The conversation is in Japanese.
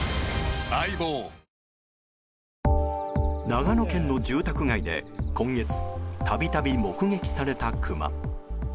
長野県の住宅街で、今月たびたび目撃されたクマ。